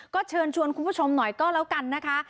ก็เชิญชวนคุณผู้ชมหน่อยก็แล้วกันนะคะ